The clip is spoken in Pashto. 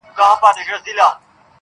• مور بې وسه ده او د حل لاره نه ويني,